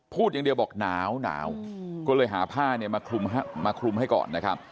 พูดอย่างเดียวบอกหนาวก็เลยหาผ้าเนี่ยมาคลุมให้ก่อนนะครับ